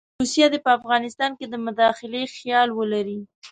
روسیه دې په افغانستان کې د مداخلې خیال ولري.